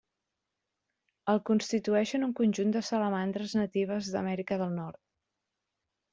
El constitueixen un conjunt de salamandres natives d'Amèrica del Nord.